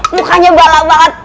mukanya bala banget